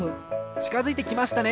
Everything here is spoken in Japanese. ちかづいてきましたね。